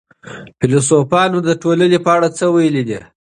فيلسوفانو د ټولني په اړه څه ويلي دي؟